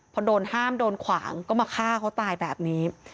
พอโดนห้ามโดนขวางก็มาฆ่าเขาตายแบบนี้